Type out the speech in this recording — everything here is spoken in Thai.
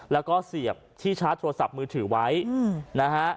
แล้วก็เสียบที่ชาร์จโทรศัพท์มือถือไว้นะฮะ